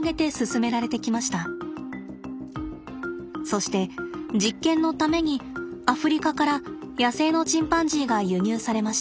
そして実験のためにアフリカから野生のチンパンジーが輸入されました。